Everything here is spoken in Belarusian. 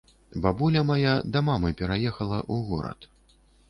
Бабуля мая да мамы пераехала ў горад.